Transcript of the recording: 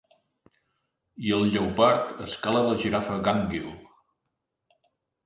I el lleopard escala la girafa gànguil.